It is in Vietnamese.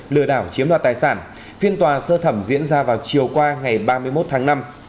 lừa đảo chiếm đoạt tài sản phiên tòa sơ thẩm diễn ra vào chiều qua ngày ba mươi một tháng năm